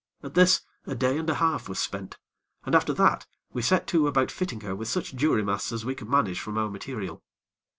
At this a day and a half was spent, and after that we set to about fitting her with such jury masts as we could manage from our material.